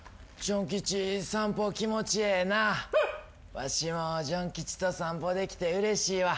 わしもジュンキチと散歩できてうれしいわ。